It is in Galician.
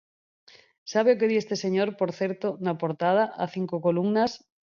¿Sabe o que di este señor, por certo, na portada, a cinco columnas?